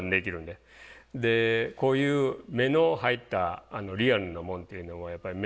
でこういう目の入ったリアルなもんというのはやっぱり目が大事なんで。